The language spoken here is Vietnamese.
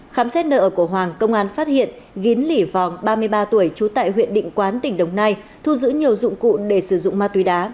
khám xét nơi ở của hoàng công an phát hiện vin lỉ vòng ba mươi ba tuổi trú tại huyện định quán tỉnh đồng nai thu giữ nhiều dụng cụ để sử dụng ma túy đá